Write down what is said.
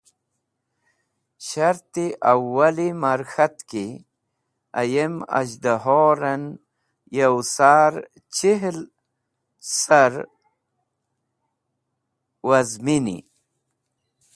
Shart-e awwali ma’r k̃hat ki ayem az̃hdahoren yow sar chihl sir wazmini.